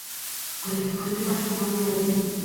ښکلې ، ښکلې ماشومانې راوړي